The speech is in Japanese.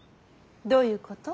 どういうこと？